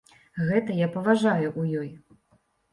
Гэта я паважаю ў ёй.